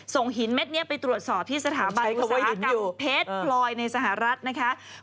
ส่งหินเม็ดนี้ไปตรวจสอบที่สถาบันอุตสาหกันเพชรปลอยในสหรัฐนะคะใช้คำว่าหินอยู่